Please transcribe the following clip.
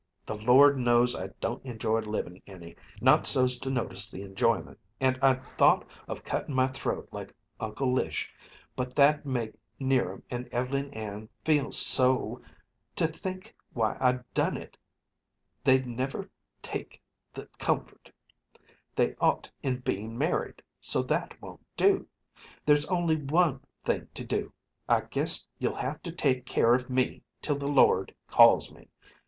The Lord knows I don't enjoy livin' any, not so's to notice the enjoyment, and I'd thought of cutting my throat like Uncle Lish, but that'd make 'Niram and Ev'leen Ann feel so to think why I'd done it; they'd never take the comfort they'd ought in bein' married; so that won't do. There's only one thing to do. I guess you'll have to take care of me till the Lord calls me.